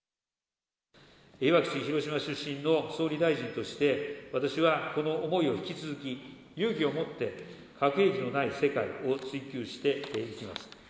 被爆地、広島出身の総理大臣として、私はこの思いを引き続き勇気を持って核兵器のない世界を追求していきます。